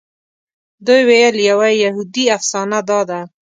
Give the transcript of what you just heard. دوی ویل یوه یهودي افسانه داده.